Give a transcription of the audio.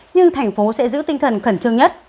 nhưng thành phố sẽ giữ tinh thần khẩn trương nhất